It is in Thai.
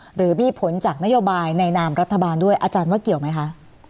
หรือมีผลจากนโยบายในนามรัฐบาลด้วยอาจารย์ว่าเกี่ยวไหมคะ